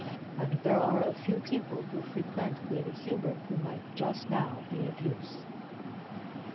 And there are a few people who frequent Lady Hubert, who might just now be of use."